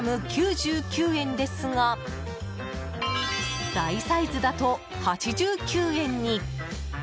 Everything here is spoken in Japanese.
９９円ですが大サイズだと８９円に。